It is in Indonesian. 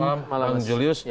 selamat malam julius